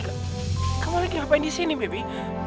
apa kamu lagi ada di sini baby